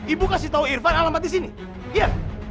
ibu kasih tau irfan alamat di sini